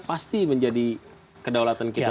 pasti menjadi kedaulatan kita